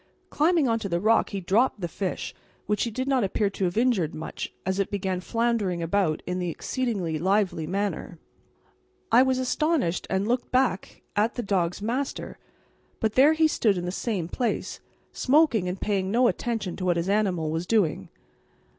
Climbing on to the rock he dropped the fish, which he did not appear to have injured much, as it began floundering about in an exceedingly lively manner. I was astonished and looked back at the dog's master; but there he stood in the same place, smoking and paying no attention to what his animal was doing.